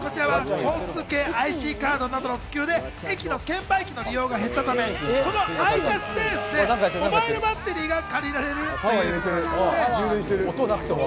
こちらは交通系ＩＣカードなどの普及で駅の券売機の利用が減ったため、その空いたスペースでモバイルバッテリーが借りられるというもの。